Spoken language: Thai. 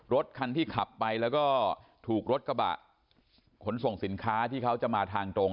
รถคันที่ขับไปแล้วก็ถูกรถกระบะขนส่งสินค้าที่เขาจะมาทางตรง